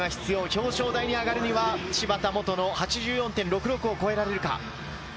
表彰台に上がるには、芝田モトの８４．６６を超えられるか。